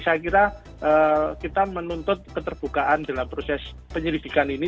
saya kira kita menuntut keterbukaan dalam proses penyelidikan ini